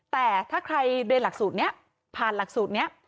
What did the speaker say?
แต่ถ้าใครเรียนหลักสูตรนี้ผ่านหลักสูตรนี้